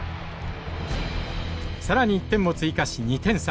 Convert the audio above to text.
更に１点も追加し２点差。